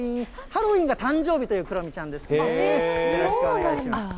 ハロウィーンが誕生日というクロミちゃんですけれどもね、よろしくお願いします。